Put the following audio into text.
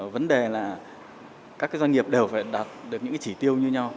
vấn đề là các doanh nghiệp đều phải đạt được những cái chỉ tiêu như nhau